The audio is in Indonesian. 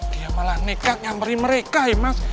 dia malah nekat nyamperi mereka ya mas